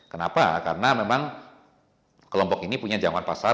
kenapa karena memang kelompok ini punya jangkauan pasar